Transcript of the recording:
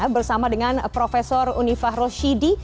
bersama dengan prof unifah roshidi